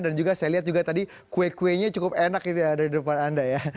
dan juga saya lihat tadi kue kuenya cukup enak itu ya dari depan anda ya